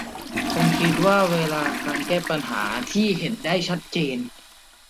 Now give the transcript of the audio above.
ผมคิดว่าวิธีการแก้ปัญหาที่เห็นได้ชัด